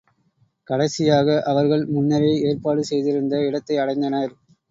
கடைசியாக அவர்கள், முன்னரே ஏற்பாடு செய்திருந்த இடத்தை அடைந்தனர்.